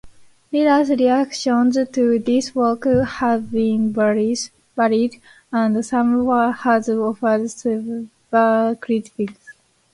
Readers' reactions to this work have been varied, and some have offered severe criticisms.